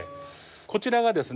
こちらがですね